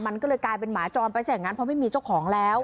มันก็เลยกลายเป็นหมาจรไปซะอย่างนั้นเพราะไม่มีเจ้าของแล้ว